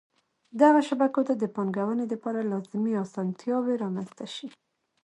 دغو شبکو ته د پانګوني دپاره لازمی اسانتیاوي رامنځته شي.